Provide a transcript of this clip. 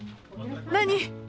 何？